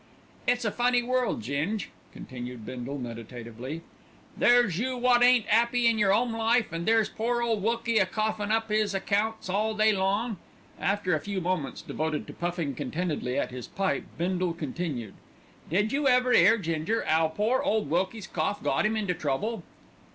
"It's a funny world, Ging," continued Bindle meditatively. "There's you wot ain't 'appy in your 'ome life, an' there's pore ole Wilkie a coughin' up 'is accounts all day long." After a few moments devoted to puffing contentedly at his pipe, Bindle continued, "Did you ever 'ear, Ginger, 'ow pore ole Wilkie's cough got 'im into trouble?"